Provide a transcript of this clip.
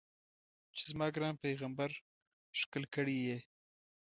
چې زما ګران پیغمبر ښکل کړی یې.